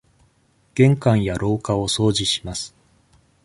玄関や廊下を掃除します。